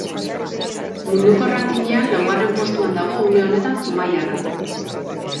Munduko rankingean laugarren postuan dago une honetan zumaiarra.